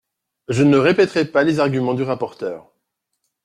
Je ne répéterai pas les arguments du rapporteur.